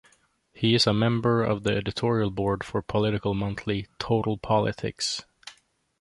He is a member of the editorial board for political monthly "Total Politics".